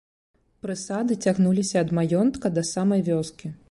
Прысады цягнуліся ад маёнтка да самай вёскі.